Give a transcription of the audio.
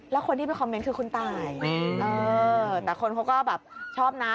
แล้วคนที่ไปคอมเมนต์คือคุณตายแต่คนเขาก็แบบชอบนะ